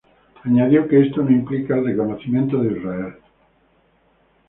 Añadió que esto no implica el reconocimiento de Israel.